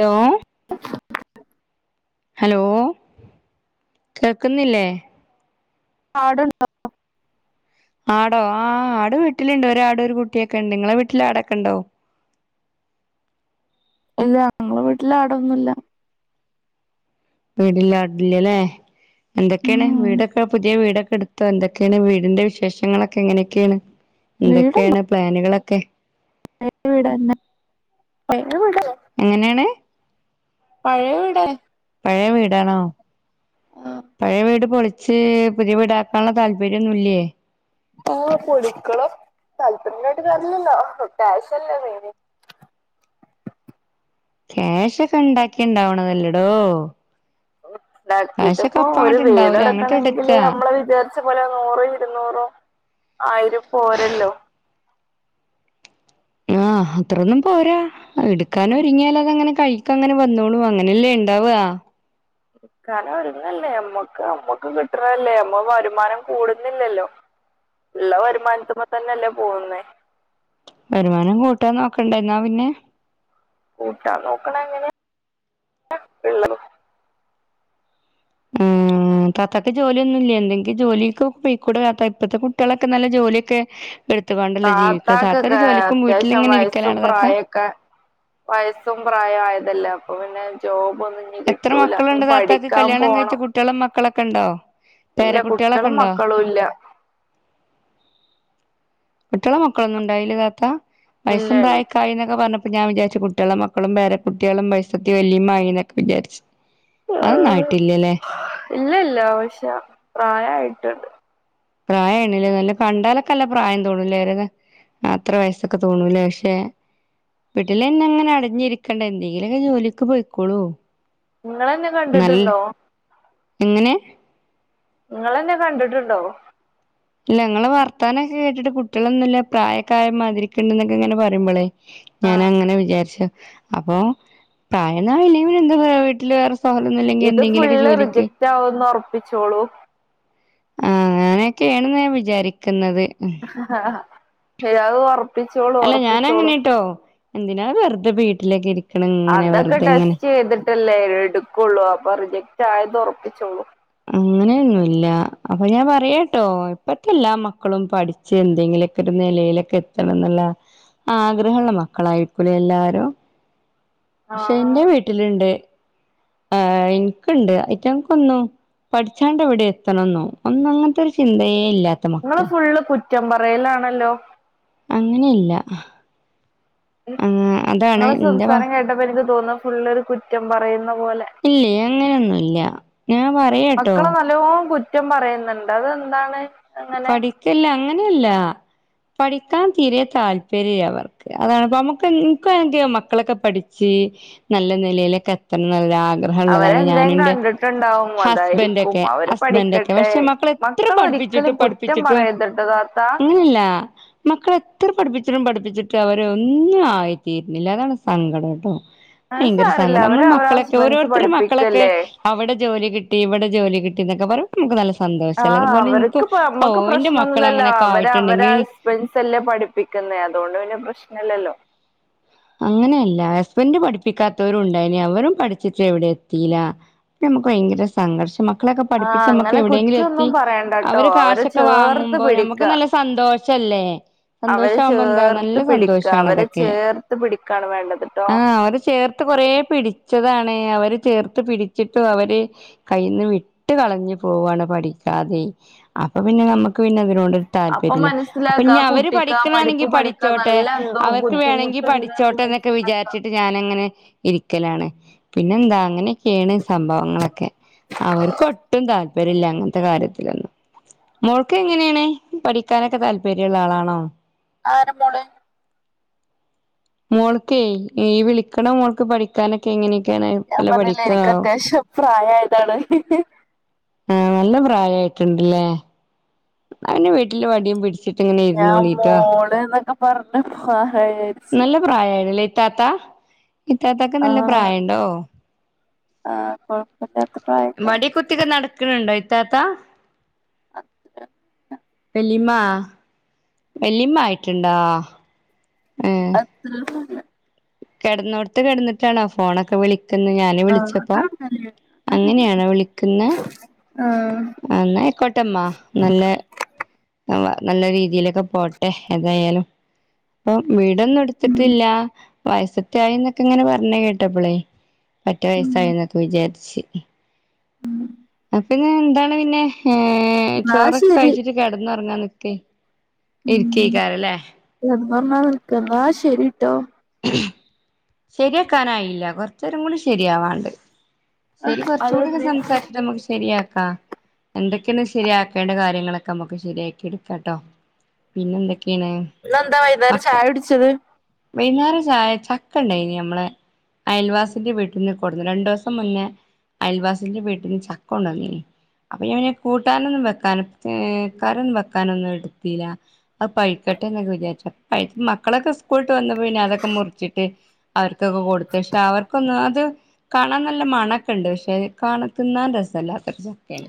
Hello [inaudible] hello കേൾക്ക്ന്നില്ലേ? ആട്ണ്ടോ? ആടോ ആഹ് ആട് വീട്ട്ല്ണ്ട്. ഒരാടും ഒര് കുട്ട്യോക്കെണ്ട്. ഇങ്ങളെ വീട്ടില് ആടൊക്കെണ്ടോ? ഇല്ല ഞങ്ങളെ വീട്ട്ലാടൊന്നൂല്ല. വീട്ലാട്ല്ല്യലേ എന്തൊക്കേണ് ഉം വീടൊക്കെ പുത്യെ വീടൊക്കെ ഇട് ത്തൊ ന്തൊക്കേണ് വീട്ന്റെ വിശേഷങ്ങളൊക്കെങ്ങനൊക്കേണ് എന്തൊക്കേണ് പ്ലാന്കളൊക്കെ? പയേ വീടന്ന. പയേ വീട് - എങ്ങനേണ്? പയേ വീടാണ്. പയേ വീടാണൊ? പയേ വീട് പൊളിച്ച് പുത്യെ വീടാക്കാന്ള്ളെ താൽപര്യോന്നുല്ലെ? ഉവ്വ് പൊളിക്കണം താൽപര്യണ്ടായിട്ട് കാര്യല്ലല്ലോ കാഷല്ലേ മെയിന്. ക്യാഷോക്കെ ഇണ്ടാക്കിയാ ഇണ്ടാവ്ണതല്ലെഡോ. ഇണ്ടാക്കീട്ട്പ്പൊ ഒര് അങ്ങോട്ട് ഇണ്ടാവൂല അങ്ങോട്ട് വീടെട്ക്കണെങ്കില് എടുക്ക നമ്മള് വിചാരി- ച്ചപോലെ നൂറ്, ഇര്ന്നൂറൊ, ആയിരോ പോരല്ലോ. ആഹ് അത്രൊന്നും പോര. അഹ്ഇട്ക്കാനൊര്ങ്ങിയാലൊക്കങ്ങനെ കഴി- അഹ്ഒക്കങ്ങനെ വന്നോളും, അങ്ങനെല്ലെ ഇണ്ടാവ്ആ. കാരണം ഒര്ങ്ങല്ലെ അമ്മക്ക് അമ്മക്ക് കിട്ട്ണതല്ലെ അമ്മള് വരുമാനം കൂടുന്നില്ലല്ലോ. ഇള്ള വരുമാനത്ത്മ്മത്തന്നെല്ലെ പോവുന്നെ. വരുമാനം കൂട്ടാന്നോക്കണ്ടേ ഇന്നാ പിന്നെ? കൂട്ടാന്നോക്ക്ണെങ്ങനെയാ? ആഹ് ആഹ് താത്താക്ക് ജോല്യോന്നൂല്ലെ? എന്തെങ്കിലും ജോലിക്കൊ പൊയ്ക്കൂടെ താത്താ, ഇപ്പത്തെ കുട്ട്യാളൊക്കെ നല്ല ജോല്ല്യൊക്കെ- താത്താക്കൊക്കെ ഏഹ് അത്യാവശ്യം വീട്ടിലിങ്ങനെ വയസും ഇരിക്കലാണ് താത്ത പ്രായൊക്കെ- വയസും പ്രായോംആയതല്ലെ, അപ്പൊപിന്നെ ജോബൊന്നും എത്ര മക്കള്ണ്ട് താത്താക്ക്? കല്യാണം കഴിച്ച കുട്ട്യാളും മക്കളൊക്ക്ണ്ടോ? പേരക്കുട്ട്യാളൊക്കണ്ടോ? ഒന്നൂല്ല. കുട്ട്യാളും മക്കളും ഒന്നും ഇണ്ടായിലെ താത്താ? ഇല്ല വയസും പ്രായൊക്കെ- ഇല്ല പ്രായായീന്നൊക്കെ പറഞ്ഞപ്പൊ ഞാംവിചാരിച്ചു കുട്ട്യാളും, മക്കളും, പേരകുട്ട്യാളും, ഭയസത്തി വെല്ലിമ്മായീന്ന് വിചാരിച്ച്. അഹ്ഒന്നും ആയിട്ടില്ലലേ? ഇല്ല ഇല്ല അഹ്ഷെ പ്രായായ്ട്ട്ണ്ട്. പ്രായായ്ണ്ണ്ലെ നല്ലെ കണ്ടാലൊക്കഅല്ല പ്രായം തോന്നുംലെ ഒരെ- അത്ര വയസ്സൊക്കെ തോന്നൂംലെ? അഷെ വീട്ട്ലെന്നങ്ങനെ അടഞ്ഞിരിക്കണ്ട എന്തേലൊക്കെ ജോലിക്ക് പൊയ്ക്കൊളൂ. ഇങ്ങളെന്നെ കണ്ട്ട്ട്ണ്ടോ? എങ്ങനെ? ഇങ്ങളെന്നെ കണ്ട്ട്ട്ണ്ടോ? അല്ല നിങ്ങള് വർത്താനൊക്കെ കേട്ടിട്ട് കുട്ടികളൊന്നുല്ല പ്രായക്കായ മാതിരിക്കണ്ട് എന്നൊക്കെ ഇങ്ങനെ പറയുമ്പോളെ, ആ ഞാന് അങ്ങനെ വിചാരിച്ചു അപ്പൊ പ്രായെന്നാ വില എന്താ പറ വീട്ടിൽ വേറെ പോകലുന്നിലെങ്കിൽ എന്തങ്കിലൊരു ജോലിക്ക് [unintelligible] ആവുന്ന് ഉറപ്പിച്ചോളൂ. ആഹ അങ്ങനൊക്കെയാണ് ഞാൻ വിചാരിക്കുന്നത്. ആഹ ഇയാൾ ഉറപ്പ് അല്ല ഞാന് അങ്ങനെട്ടോ എന്തിനാ വെറുതെ വീട്ടിലേക്ക് ഇരിക്കണ ഇങ്ങനെ വെറുതെ ഇങ്ങനെ ല്ലേ എടുക്കുള്ളൂ അപ്പൊ റിജക്ട് ആയത് ഉറപ്പിച്ചോളൂ. അങ്ങനെല്ല. അപ്പൊ ഞാൻ പറയാട്ടോ ഇപ്പറ്റ എല്ലാ മക്കളും പഠിച്ച് എന്തെങ്കിലുക്കെ ഒരു നിലയിലൊക്കെത്തി. ത്തന്ന ആഗ്രഹള്ള മക്കളായിരിക്കുലെ എല്ലാരും പക്ഷെ ആഹ് എന്റെ വീട്ടിലുണ്ട് ആഹ എനക്ക്ണ്ട് അയിറ്റങ്ങൾക്കൊന്നും. പഠിച്ചാണ്ട് എവിടെ എത്തണന്നോ ഒന്ന അങ്ങനത്തെ ഒരു ചിന്തയേ ഇല്ലാ. നിങ്ങള് ഫുള്ള് കുറ്റം പറയലാണല്ലോ? അങ്ങനെയല്ല അതാണ് നിങ്ങളെ എന്റെ ഭ സംസാരം കേട്ടപ്പോ എനിക്ക് തോന്നുന്നു ഫുള്ളൊരു കുറ്റം പറയുന്ന പോലെ. ഇല്ല അങ്ങനെയൊന്നുല്ല ഞാൻ പറയാ ട്ടോ. മക്കളെ നല്ലോം കുറ്റം പറയുന്നുണ്ട് അതെന്താണ്. അങ്ങനെ പഠിക്കല്ല അങ്ങനെയല്ല. പഠിക്കാൻ തീരെ താല്പര്യ അവർക്ക് അതാണ്പ്പോ നമുക്ക് ക്കന്റെ മക്കളൊക്കെ പഠിച്ച്. നല്ല നിലയിലൊക്കെ എത്തണം നല്ലഗ്രഹം. ഗ്രഹള്ളത അവരെന്തേം ഞാന്ന്റെ കണ്ടിട്ടുണ്ടാവും ഹസ്ബൻറ അതായിരിക്കും ഒക്കെ അവര് ഹസ്ബൻൊക്കെ പഠിക്കട്ടെ പക്ഷെ മക്കള എത്ര മക്കള് പഠിപ്പിച്ചിട്ട് ഒരിക്കലും കുറ്റം പഠിപ്പിച്ചിട്ടും പറയരുത്ട്ടോ താത്ത അങ്ങനല്ല മക്കളെത്ര പഠപ്പിച്ചിട്ടും പഠിപ്പിച്ചിട്ട് അവര ഒന്നും ആയിത്തീരുന്നില്ല അതാണ് സങ്കടട്ടോ. അത് ഭയങ്കര സാരല്ല സങ്കടം നമ്മൾ അവര് അവരെ മക്കളൊക്കെ ഹസ്ബൻഡ്സ് ഓരോരുത്തടെ മക്കളൊക്കെ. പഠിപ്പിക്കല്ലേ അവടെ ജോലി കിട്ടി ഇവടെ ജോലി കിട്ടി ന്നൊക്കെ പറയ്മ്പോ ഇൻക്ക് നല്ല സന്തോഷെല്ലെ ആഹ് അത്പോലെ ഇന്ക്കും അവർക്ക്പ്പ നമ്മക്ക് പ്രശ്നൊന്നുല്ലല്ലോ അവരെ അവരാഷ് ഹസ്പെൻസലേ പഠിപ്പിക്കുന്നേ അതോണ്ട് പിന്നെ പ്രശ്നല്ലല്ലോ. അങ്ങനെയല്ല ഹസ്ബൻഡ് പഠിപ്പിക്കാത്തോരും ഉണ്ടായിനി അവരും പഠിച്ചിട്ട് എവടീം എത്തീല. നമക്ക് ഭയങ്കര സംഘർഷം മ മക്കളൊക്കെ ആഹ് പഠിപ്പിച്ച് നമുക്ക് അങ്ങനെ എവിടെയെങ്കിലും എത്തി കുറ്റൊന്നും പറയണ്ടട്ടോ അവര് അവരെ കാശൊക്കെ ചേർത്ത് വാങ്ങുമ്പോ പിടിക്ക നമുക്ക് നല്ല സ സന്തോഷല്ലേ? അവരെ സന്തോഷാവുമ്പോ എന്താ നല്ല ചേർത്ത് പിടിക്ക സന്തോഷാണ് അവരെ അതൊക്കെ ചേർത്ത് പിടിക്കാണ് വേണ്ടത്ട്ടോ. അവരെ ചേർത്ത് കൊറേ പിടിച്ചതാണ് അവര് ചേർത്ത് പിടിച്ചിട്ടും അവര് കയ്യിന്ന് വിട്ട് കളഞ്ഞ് പോവാണ് പഠിക്കാതെ അപ്പൊ പിന്നെ നമ്മക്ക് പിന്നെ ളോണ്ട് അപ്പൊ താൽപര്യല്ല മനസ്സിലാക്ക അപ്പഞ്ഞി ആ അവര് കുട്ടിക്ക് ആ പഠിക്കണെങ്കി പഠിപ്പ് പഠിക്കാൻ പഠിച്ചോട്ടെ നല്ല എന്തോ അവർക്ക് വേണങ്കി ബുദ്ധിമുട്ടുണ്ട്ന്ന് പഠിച്ചോട്ടെ. മനസ്സിലാക്ക ക്കെവിചാരിച്ചിട്ട് ഞാനങ്ങനെ ഇരിക്കലാണ്. പിന്നെ എന്താ അങ്ങനെ ക്കേണ് സംഭവങ്ങളൊക്കെ അവർക്ക് ഒട്ടും താല്പര്യല്ല അങ്ങനത്തെ കാര്യത്തിലൊന്നും. മോൾക്ക് എങ്ങനേണ് പഠിക്കാനൊക്കെ താല്പര്യള്ള ആളാണോ? ആരമോള്? മോൾക്കേ ഈ വിളിക്ക്ണ മോൾക്ക് പഠി ക്കാനൊക്കെ എങ്ങനൊക്കേണ് ഞാൻ നല്ല പറഞ്ഞില്ലേ പഠിക്കോ? എനിക്ക് അത്യാവശ്യം പ്രായായതാണ് ആ നല്ല പ്രായായിട്ണ്ട്ലേ? ന്നാ പിന്നെ വീട്ടില് വടിയും പിട്ച്ച് ഞാ മോള്ന്നൊക്കെ പർഞ്ഞപ്പോ ആരാവിയാര് നല്ല പ്രായായീണ്ലേ ഇത്താത്ത ഇത്താത്താക്ക് നല്ല ആഹ് പ്രായം ഇണ്ടോ? ആഹ് കൊഴ ലാത്ത പ്രായം വടി കുത്ത്യെക്കെ നടക്ക്ണ്‌ണ്ടോ ഇത്താത്താ? അത്ര വല്ലിമ്മാ വല്ലിമ്മ ആയിട്ടുണ്ടോ ഏ [unintelligible] കെട്ന്നോട്ത്ത് കെട്ന്നിട്ടാണോ ഫോണൊക്കെ വിളിക്ക്ന്നെ ഞാൻ ആഹ് വിളിച്ചപ്പോ അതങ്ങനെയാണ് അതങ്ങനെയാണ് അങ്ങനെയാണോ വിളിക്കുന്ന? ആഹ്. അ ന്നാ അയ്ക്കോട്ടമ്മാ നല്ലേ നല്ലരീതിയിലൊക്കെ പോട്ടെ ഏതായാലും പ്പം വീ ഇടൊന്നും എടുത്തിട്ടില്ല വയസത്ത്യാ യിന്നൊക്കെ ഇങ്ങനെ പർഞ്ഞെ കേട്ടപ്പളെ. പറ്റെ വയസ്സായിന്നൊക്കെ വിചാരിച്ച്. അപ്പ ഇങ്ങ് എന്താണ് പിന്നെ ഏ എന്നാ ചോറൊക്കെ ശരി കഴിച്ചിട്ട് കെടന്നൊർങ്ങാൻ നിക്കേ. ഇര്ക്കേക്കാരലേ? കെട്ന്നൊർങ്ങാനിക്കാ ന്നാ ശെരിട്ടോ. [unintelligible] ശെര്യാക്കാനായില്ല കൊർച്ചേരം കൂടി ശരിയാവാണ്ട്. ശെരി കൊർച്ചൂട്യക്കെ അതെന്തേ സംസാര്ച്ച്ട്ട് നമ്മക്ക് ശെരിയാക്കാം. എന്തൊക്കെയന്ന് ശരിയാക്കേണ്ട കാര്യങ്ങളൊക്കെ നമുക്ക് ശരിയാക്കി എടുക്കാം കേട്ടോ. പിന്നെ എന്തൊക്കേണ്? ഇന്നെന്താ വൈന്നേരം ചായടിച്ചത്? വൈന്നാരം ചായ ചക്ക ഇണ്ടായിനി അമ്മളെ അയൽവാസിന്റെ വീട്ട്ന്ന് കൊട്ന്ന് രണ്ടോസം മുന്നേ അയൽവാസിന്റെ വീട്ട്ന്ന് ചക്ക കൊണ്ടന്നീനി. അപ്പൊ ഞാൻ പിന്നെ കൂട്ടാനൊന്നും വെക്കാനും ഏ കറിഒന്നും വെക്കാനൊന്നും എട്ത്തീല. അത് പഴ്ക്കട്ടെ എന്നൊക്കെ വിചാരിച്ചു പഴ് മക്കളൊക്കെ സ്കൂൾട്ട് വന്നപ്പോ പിന്നെ അതൊക്കെ മുർച്ചിട്ട് അവർക്കൊക്കെ കൊട്ത്ത് ക്ഷെ അവർക്കൊന്നാ അത് കാണാൻ നല്ല മണൊക്കെ ഇണ്ട് പക്ഷെ കാണ തിന്നാൻ രസല്ലാത്ത ര് ചക്കെണ്.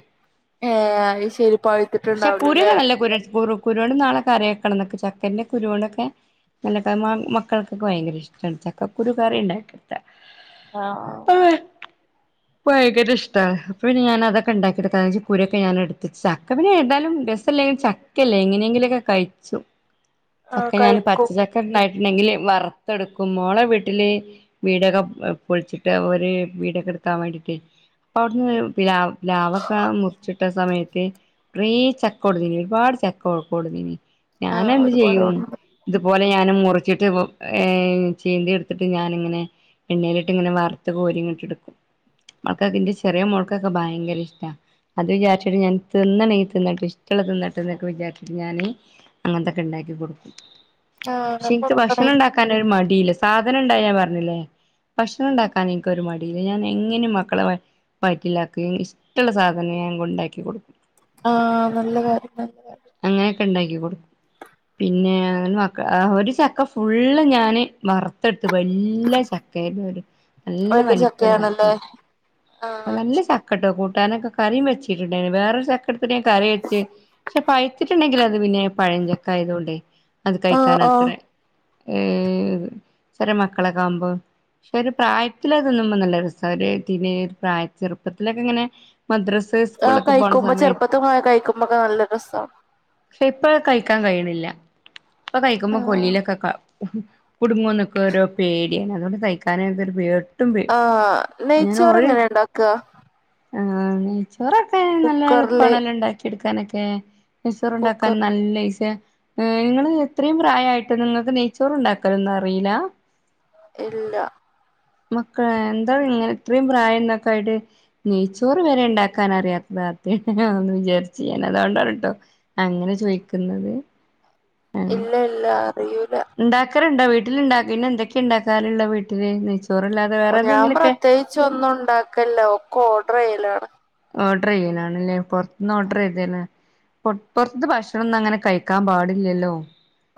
ഏഹ് അഹ് ശരി പഴുത്തിട്ടുണ്ടാവൂല ല്ലേ പുരെസ്പോറും കുരൊണ്ട് നാളെ കറി വെക്കണ ന്നൊക്കെ ചക്കൻ്റെ കുരുവോണ്ടൊക്കെ. നല്ലട്ടമ്മാ മക്കൾക്കൊക്കെ ഭയങ്കര ഇഷ്ടാണ് ചക്കക്കുരു കറി ഉണ്ടാക്കികൊടുത്ത ആഹ് ആഹ് ഹൊയ്. ക്ക് ഭയങ്കര ഇഷ്ടാ അപ്പ ഞാന അതൊക്കെ ഉണ്ടാക്കി ടുക്ക ചവണി ക്കൂരൊക്കെ ഞാൻ എടുത്തിച്ച് അല്ലാപിന്നെ എന്തായാലും രസല്ലെങ്കിലും ചക്കയല്ലേ എങ്ങനെയെങ്കിലൊക്കെ കഴിച്ചു ആഹ് ചക്ക ഞാൻ പ- കഴിക്കും ചക്ക ഇണ്ടായിട്ടുണ്ടെങ്കില് വറത്തെടുക്കും മോളെ വീട്ടില്. വീടൊക്കെ പൊളിച്ചിട്ട് ഓല് വീടൊക്കെ എടുക്കാൻ വേണ്ടിട്ട് ഇപ്പൊ അവിടുന്ന് പിലാവ- പിലാവക്കെ മുറിച്ചിട്ട- ട്ട സമയത്ത് കൊറേ ചക്ക കൊടു നീന് ഒരുപാട് ചക്ക കൊടുന്നീന്. ഞൻ ആഹ് എന്ത് ഒരുപാട് ചെയ്യും. കൊണ്ടന്ന് ഇതുപോലെ ഞാനും മുറിച്ചിട്ട് ഏഹ് ചിന്തി എടുത്തിട്ട് ഞാനിങ്ങനെ. എണ്ണയിലിട്ട് ഇങ്ങനെ വറുത്തു കോരി ഇങ്ങട്ടെടുക്കും. മക്കൾക്ക് ഇന്റെ ചെറിയ മോൾക്കൊക്കെ ഭയങ്കര ഇഷ്ടാ. അത് വിചാരിച്ചിട്ട് ഞാൻ തിന്നണേ തിന്നട്ടേ ഇഷ്ടള്ള തിന്നട്ടേ എന്നൊക്കെ വിചാരിച്ചട്ട് ഞാന്. അങ്ങനത്തൊക്കെ ഇണ്ടാക്കി കൊടുക്കും. ആഹ് പക്ഷെ അങ്ങനെ ഇൻക്ക് കൊടുക്കണേ ഭക്ഷണം ഇണ്ടാക്കാനൊരു മടീല്ല സാധനം ഇണ്ടായ ഞാൻ പറഞ്ഞില്ലേ. ഭക്ഷണം ണ്ടാക്കാൻ എനിക്കൊരു മടിയില്ല ഞാൻ എങ്ങനെയും മക്കളെ വയ വയറ്റിലാക്കും ഇഷ്ടള്ള സാധനം ഞാൻ ഉണ്ടാക്കി കൊടുക്കും. ആഹ് നല്ല കാര്യം നല്ല കാര്യം. അങ്ങനെയൊക്കെ ണ്ടാക്കി കൊടുക്കും പിന്നെ ന്ന്‌ വാ- ആ ഒരു ചക്ക ഫുള്ള് ഞാന് വറ്- ത്തെടുത്ത് വല്ല്യ ചക്കേർന്നു നല്ല വലിയ വലിപ്പള്ള ചക്കയാണല്ലേ ചക്കേർ. ആഹ് നല്ല ചക്കെട്ടോ കൂട്ടാനൊക്കെ കറിം വെച്ചീന്ട്ടോ വേറൊരു ചക്കെട്ത്തിട്ട് കറി വെച്ച്. പക്ഷെ പഴ്ത്തിട്ടുണ്ടെങ്കിൽ അത് പിന്നെ പഴഞ്ചക്ക ആയതോണ്ട് അത് ആഹ് കഴിക്കാനത്ര ആഹ് ഏഹ് ചെറിയ മക്കളൊക്കാകുമ്പോ. പക്ഷെ ഒരു പ്രായത്തില് അതിന്നുമ്പ നല്ല രസാര് പ്രായ ചെറുപ്പത്തിലൊക്കെങ്ങനെ. മദ്രസ് ആഹ് കഴ്ക്കുംമ്പ ചെർപ്പത്തിൽ ക്കഴിക്കുമ്പോ ക്കെ നല്ല രസ. ക്ഷേ ഇപ്പ കഴിക്കാൻ കഴിയ്ണില്ല. ഇപ്പൊ കഴിക്കുമ്പോ കൊല്ലീയിലൊക്കെ കർ കുടുംങ്ങോന്നൊക്കെ ഓരോ പേടിയാണ് അതുകൊണ്ട് കയ്ക്കാനാണ്ട് പേ ആഹ് ഞാൻ നെയ്ച്ചോറ് ഒരു എങ്ങനെ ഇണ്ടാക്ക? ആഹ് നെയ്ച്ചോറൊക്കെ നല്ല കുക്കറില് എള്പ്പണെല്ലോ ഇണ്ടാക്കി എടുക്കാനൊക്കെ. നെയ്ചോറുണ്ടാക്കാൻ കുക്കർ നല്ല ഇസിയാ ഏഹ് ഇങ്ങള് ഇത്രീംയും പ്രായായ്ട്ട് നിങ്ങക്ക് നെയ്ച്ചോറ് ഉണ്ടാക്കലൊന്നും അറീലാ. ഇല്ല. മക്കള എന്താങ്ങനെ ഇത്രീം പ്രായംതൊക്കായ്ട്ട്. നെയ്ച്ചോറ് വരെ ഇണ്ടാക്കാൻ അറിയാത്ത താതേണ് ഒഹ് ഞാൻ വിചാര്ച്ചീല അതോണ്ടാണ് ട്ടാ. അങ്ങനെ ചോയ്ക്കുന്നത് ഇല്ലല്ല അറിയൂല. ഇണ്ടാക്കലുണ്ടോ വീട്ടില് ഇണ്ടാക്ക് പിന്നെ എന്തൊക്കെഉ ണ്ടാക്കാറ്ള്ള് വീട്ടില് നെയ്ച്ചോറല്ലാ ഓഹ് ഞാൻ പ്രത്യേകിച്ചൊന്നും ഉണ്ടാക്കല്ല. ഒക്കെ ഓർഡർയ്യലാണ്. ഓർഡർ ചെയ്യലാണ്ലേ പൊർത്തുന്ന് ഓർഡർ ചെയ്തീന പൊർത് പൊർത്തെ ഭക്ഷണൊന്നും അങ്ങനെ കഴിക്കാൻ പാടില്ലല്ലോ.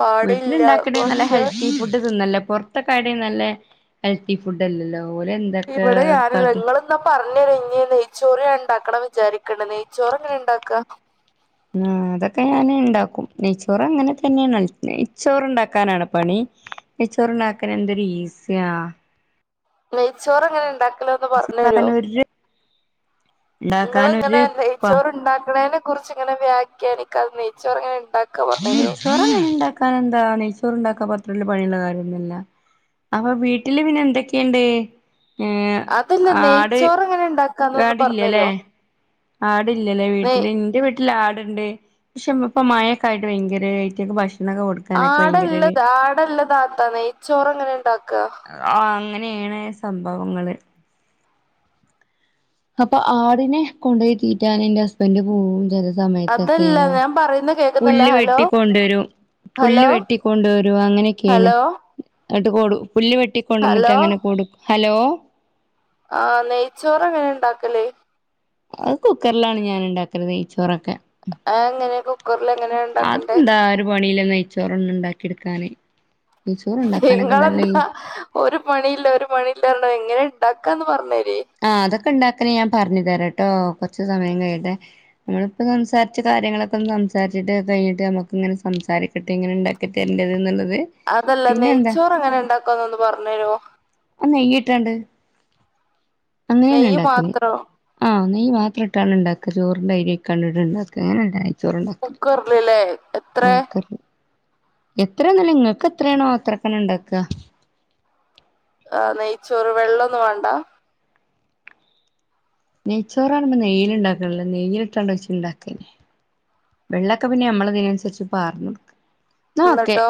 പാടില്ല വീട്ടില്ണ്ടാക്ക്ണ് നല്ല പക്ഷെ ഹെൽത്തി ഫുഡ് തിന്നല്ല. പൊർ ഒകെ. [unintelligible] ഹെൽതി ഫുഡ്ല്ലല്ലോ. ഓലെന്ത് ഇപടെ ആരുല്ലങ്ങള് എന്നാ പറഞ്ഞര് ഇഞി നെയ്ച്ചോറ്ഞാ ഇണ്ടാക്കണം വിചാരിക്ക്ണ്ട്. നെയ്ച്ചോറ് എങ്ങനെ ഇണ്ടാക്ക? ഉം. അതൊക്കെ ഞാന്ഉണ്ടാക്കും. നെയ്ച്ചോറ് അങ്ങനെതന്നെണ് നെയ്ച്ചോറ്ഉണ്ടാക്കാനാണോ പണി. നെയ്ച്ചോറ്ണ്ടാക്കാന്എന്തൊരു ഈസ്യാ. നെയ്ച്ചോർ എങ്ങനെ ഉണ്ടാക്കല്ഒന്ന് പറഞ്ഞെരോ? ഉണ്ടാക്കാൻ ഒരു ഇങ്ങള് ഉണ്ടാക്കാൻ ഇങ്ങനെ ഒരു പ നെയ്ച്ചോർ ഇണ്ടാക്ക്ണീനെ കുറിച്ച്ങ്ങനെ വ്യാഖ്യാനിക്കാതെ നെയ്ച്ചോറങ്ങനെണ്ടാക് നെയ്ച്ചോറ് ഉണ്ടാക്കാൻ എന്താ നെയ്ച്ചോറ് ഉണ്ടാക്കാപ്പത്രല്ല പണിള്ള കാര്യൊന്നൊല്ല. അപൊവീട്ടില് പിന്നെന്തൊക്കെണ്ട്. അതല്ല നെയ്ച്ചോറങ്ങനെ ഇണ്ടാക്ക് ആടില്ലലേ, ആടില്ലലേ നെയ് വീട്ടില്. എന്റെ വീട്ട് ല് ആട്ണ്ട്. ക്ഷെ ഇപ്പ മഴക്കായിട്ട് ഭയങ്കര അയ്റ്റങ്ങക്ക് ഭക്ഷണൊക്കെകൊടുക് ആടല്ലത് ആടല്ലതാത്താ നെയ്ച്ചോറ് എങ്ങനെ ഇണ്ടാക്ക? ആഹ് അങ്ങനേണ് സംഭവങ്ങള്. അപ്പൊ ആടിനെ കൊണ്ടോയി തീറ്റാൻ എന്റെ ഹസ്ബൻഡ് പോകും. ചെല സമയത്തൊക്കെ അതല്ല ഞാൻ പറയുന്ന കേൾക്കുന്നില്ല പുല്ല് ഹലോ വെട്ടിക്കൊണ്ടോരും. പുല്ല് ഹലോ വെട്ടിക്കൊണ്ടോരും. അങ്ങനെയൊക്കെയാണ്. ഹലോ എന്നട്ട് കൊട് പുല്ല് വെട്ടി കൊണ്ടന്നിട്ട് ഹലോ അങ്ങനെ കൊട്ക്ക് ഹലോ. ആഹ് നെയ്ച്ചോറ് എങ്ങനെ ഇണ്ടാക്കല്? അത് കുക്കർലാണ് ഞാൻ ഉണ്ടാക്കല് നെയ്ച്ചോറൊക്കെ. അഹങ്ങനെ കുക്കറ്ൽ എങ്ങനെ ഇണ്ടാക്ക്ണ്ട്? പണീലനെയ്ച്ചോറൊന്നുംഉണ്ടാക്കിട്ക്കാൻ നെയ്ച്ചോറ് ഉണ്ടാക്കാനൊക്കെ നല്ല ഈ നിങ്ങളെന്താ ഒരു പണീല്യ ഒരു പണീല്യർഞിട്ട് അതെങ്ങനെ ഇണ്ടാക്കാന്ന് പറഞ്ഞരീ ആഹ് അതൊക്കെണ്ടാക്കല് ഞാൻ പറഞ്ഞ് തരാട്ടോ, കൊർച്ച്‌ സമയം കഴിയട്ടെ. നമ്മളിപ്പം സംസാരിച്ച കാര്യങ്ങളൊക്കെ ഒന്ന് സംസാരിച്ചിട്ട് അതയ്ഞ്ഞിട്ട് നമുക്ക് ഇങ്ങനെസംസാരിക്കാ. ട്ട ഇങ്ങനെ ഇണ്ടാക്കി തരൻ്റ് എന്നാള്ളത്. അതല്ല നെയ്ച്ചോർ എങ്ങനെ ഉണ്ടാക്കാന്ന് ഒന്ന് പറഞ്ഞരോ? ആഹ് നെയ്യ്ട്ടാണ്ട് അങ്ങനെന്നെ നെയ്യ് ഇണ്ടാക്കല് മാത്രോ ആഹ് നെയ് മാത്രം ഇട്ടാണ് ണ്ടാക്ക ചോറിന്റെ അരി അയിക്കാണ്ട്ഡ്‌ ണ്ടാക്ക [unintelligible] ചോറ്ണ്ടാക്കല് കുക്കറിലല്ലേ എത്ര കുക്കർല് എത്രന്നല്ല ങ്ങൾക്ക് എത്രയാണോ അത്രക്കന്നേ ണ്ടാക്ക ആഹ് നെയ്ച്ചോറ് വെള്ളന്നും വാണ്ട നെയ്ച്ചോറാകുമ്പോ നെയ്യിൽ ണ്ടാക്കല് നെയില് ഇട്ടാണ്ടണ്ട് ഇജ്ജ് ണ്ടാക്കല് വെള്ളൊക്ക പിന്നെ നമ്മള തിനനുസരിച്ച് പാർന്ന്ടുക്ക എന്നിട്ടോ